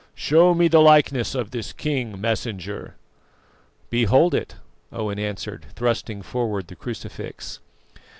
Show me the likeness of this King, Messenger." "Behold it," Owen answered, thrusting forward the crucifix.